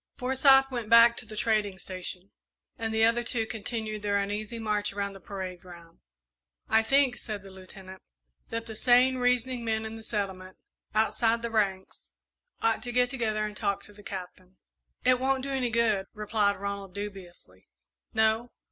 Forsyth went back to the trading station, and the other two continued their uneasy march around the parade ground. "I think," said the Lieutenant, "that the sane, reasoning men in the settlement, outside the ranks, ought to get together and talk to the Captain." "It won't do any good," replied Ronald, dubiously. "No?